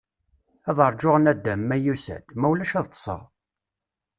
Ad rjuɣ nadam, ma yusa-d, ma ulac ad ṭṭseɣ.